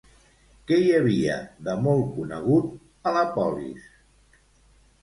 Què hi havia, de molt conegut, a la polis?